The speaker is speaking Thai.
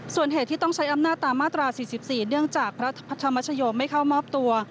ส่วนเหตุที่ต้องใช้อำนาจตามมาตรา๔๔เนื่องจากพระธรรมชโยมไม่เข้ามอบตัว